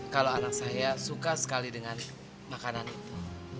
kalau anak saya suka sekali dengan makanan itu